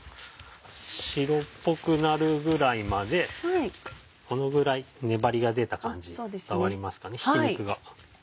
白っぽくなるぐらいまでこのぐらい粘りが出た感じに伝わりますかねひき肉が。